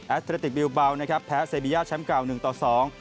แอธเลนติกบิลบาวนะครับแพ้เซบียาเช้มเก่าหนึ่งต่อสอง